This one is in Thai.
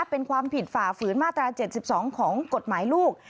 เป็นความผิดฝ่าฝืนมาตรา๗๒ของกฎหมายลูก